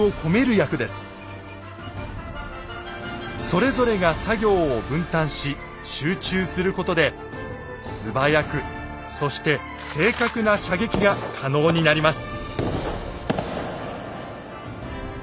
それぞれが作業を分担し集中することで素早くそして正確な射撃が可能になります。